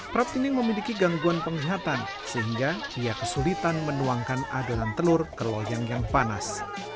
praptining memiliki gangguan penglihatan sehingga ia kesulitan menuangkan adonan telur ke loyang yang panas